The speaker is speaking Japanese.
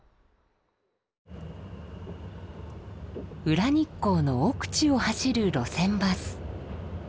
裏日光の奥地を走る路線バス。